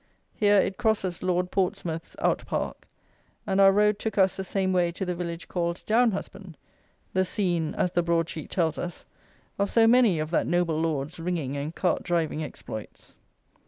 Here it crosses Lord Portsmouth's out park, and our road took us the same way to the village called Down Husband, the scene (as the broad sheet tells us) of so many of that Noble Lord's ringing and cart driving exploits.